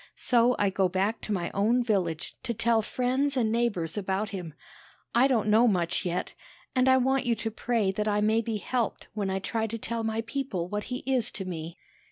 So I go back to my own village to tell friends and neighbors about him. I don't know much yet, and I want you to pray that I may be helped when I try to tell my people what he is to me."